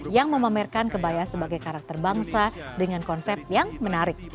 yang memamerkan kebaya sebagai karakter bangsa dengan konsep yang menarik